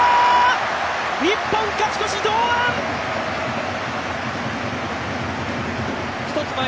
日本、勝ち越し、堂安！